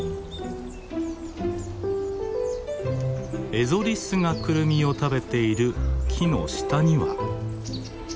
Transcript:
エゾリスがクルミを食べている木の下には。